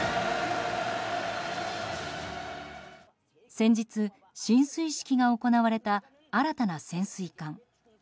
先日、進水式が行われた新たな潜水艦。